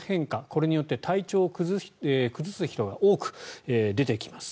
これによって体調を崩す人が多く出てきます。